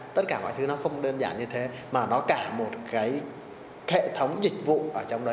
tất cả mọi thứ nó không đơn giản như thế mà nó cả một cái hệ thống dịch vụ ở trong đấy